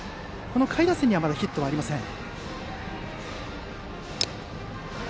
下位打線にはまだヒットがありません。